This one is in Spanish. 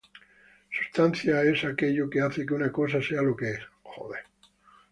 Sustancia es aquello que hace que una cosa sea lo que es.